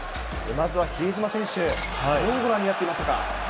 まずは比江島選手、どうご覧になってましたか？